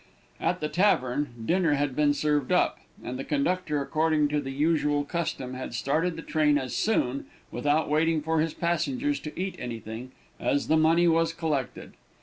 At the tavern, dinner had been served up, and the conductor, according to the usual custom, had started the train as soon, without waiting for his passengers to eat anything, as the money was collected.